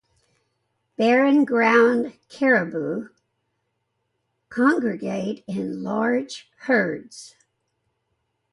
Barren-ground caribou congregate in large herds.